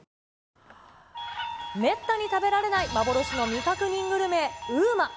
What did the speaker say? めったに食べられない幻の未確認グルメ、ＵＭＡ。